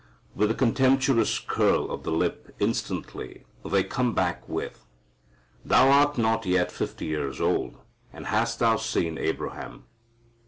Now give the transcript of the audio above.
With a contemptuous curl of the lip instantly they come back with: "Thou art not yet fifty years old, and hast thou seen Abraham?"